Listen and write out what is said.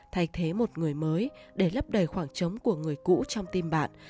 thay thế một người mới để lấp đầy khoảng trống của người cũ trong tim bạn